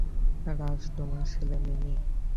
রাজ তোমার ছেলে, মিমি।